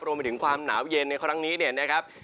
รวมไปถึงความหนาวเย็นในครั้งนี้เนี่ยนะครับ